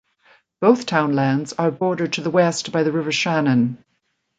Both townlands are bordered to the west by the River Shannon.